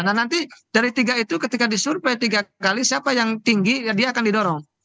nah nanti dari tiga itu ketika disurvey tiga kali siapa yang tinggi dia akan didorong